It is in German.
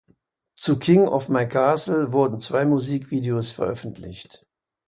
Zu "King of My Castle" wurden zwei Musikvideos veröffentlicht.